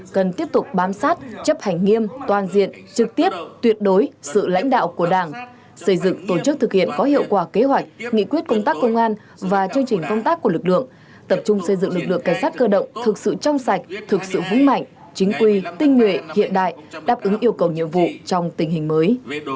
cần tiếp tục bám sát chấp hành nghiêm toàn diện trực tiếp tuyệt đối sự lãnh đạo của đảng xây dựng tổ chức thực hiện có hiệu quả kế hoạch nghị quyết công tác công an và chương trình công tác của lực lượng tập trung xây dựng lực lượng cảnh sát cơ động thực sự trong sạch thực sự vững mạnh chính quy tinh nguyện hiện đại đáp ứng yêu cầu nhiệm vụ trong tình hình mới